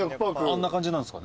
あんな感じなんすかね。